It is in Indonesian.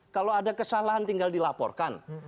kalau ada kesalahan tinggal dilaporkan